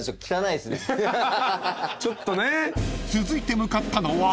［続いて向かったのは］